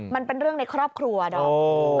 มันเป็นเรื่องในครอบครัวดอม